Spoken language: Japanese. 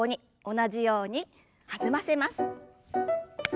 同じように弾ませます。